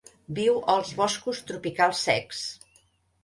Viu als boscos tropicals secs.